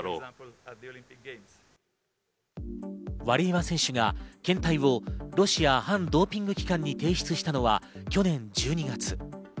ワリエワ選手が検体をロシア反ドーピング機関に提出したのは去年１２月。